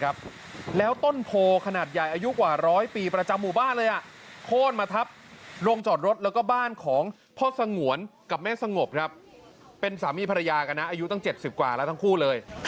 เป็นสามีภรรยากันนะอายุตั้ง๗๐กว่าแล้วทั้งคู่เลย